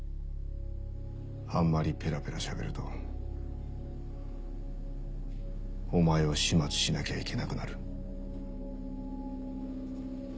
あんまりペラペラ喋るとお前を始末しなきゃいけなくなる。